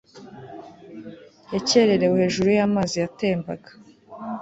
yakererewe hejuru y amazi yatembaga